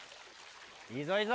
いいぞいいぞ！